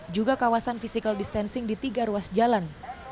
juga kawasan physical distancing di tiga ruas jalan